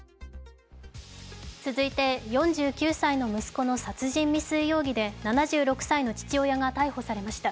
続いて、４９歳の息子の殺人未遂容疑で７６歳の父親が逮捕されました。